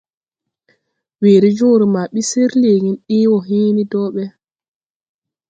Weer jõõre ma ɓi sir leege ɗee wɔ hẽẽne dɔɔ ɓɛ.